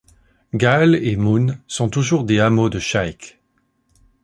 Gaal et Mun sont toujours des hameaux de Schaijk.